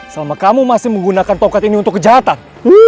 selama kamu masih menggunakan tongkat ini untuk kejahatan